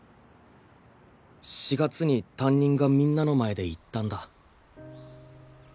４月に担任がみんなの前で言ったんだ。